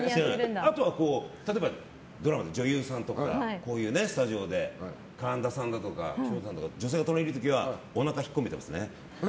あとはドラマの女優さんとかがこういうスタジオで神田さんだとか女性が隣にいる時はおなか引っ込めてますね。